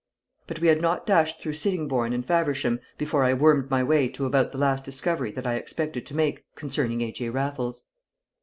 But we had not dashed through Sitting bourne and Faversham before I wormed my way to about the last discovery that I expected to make concerning A. J. Raffles.